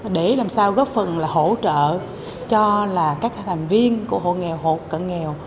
để làm sao góp phần là hỗ trợ cho các thành viên của hộ nghèo hộ cận nghèo